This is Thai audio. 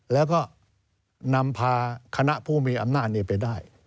แล้วก็นำพาคณะผู้มีอำนาจนี้ไปได้